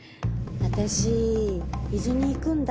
「私伊豆に行くんだ」。